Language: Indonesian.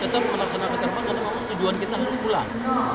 tetap melaksanakan terbang karena tujuan kita harus pulang